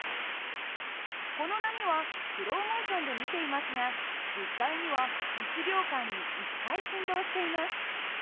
この波はスローモーションで見ていますが実際には１秒間に１回振動しています。